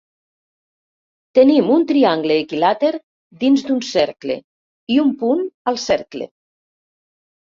Tenim un triangle equilàter dins d'un cercle i un punt al cercle.